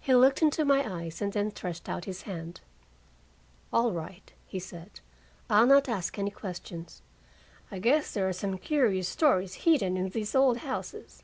He looked into my eyes and then thrust out his hand. "All right," he said. "I'll not ask any questions. I guess there are some curious stories hidden in these old houses."